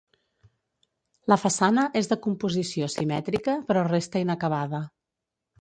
La façana és de composició simètrica però resta inacabada.